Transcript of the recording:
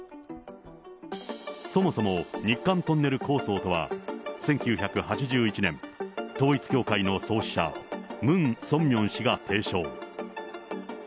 そもそも日韓トンネル構想とは、１９８１年、統一教会の創始者、ムン・ソンミョン氏が提唱。